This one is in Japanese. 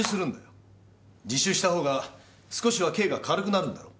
自首したほうが少しは刑が軽くなるんだろ？